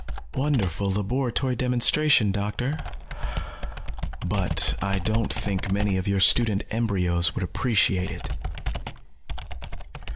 "Wonderful laboratory demonstration, Doctor. But I don't think many of your student embryos would appreciate it."